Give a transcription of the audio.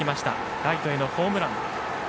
ライトへのホームラン。